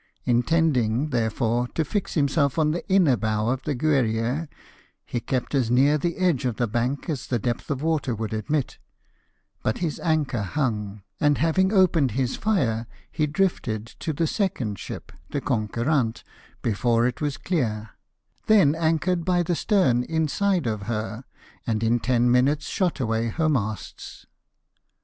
Intending, therefore, to fix himself on the inner bow of the Giierrier, he kept as near the edge of the bank as the depth of water would admit ; but his anchor hung, and having opened his fire he drifted to the second ship, the Gonqudrant, before it was clear ; then anchored by the stern, inside of her, and in ten minutes shot away her masts.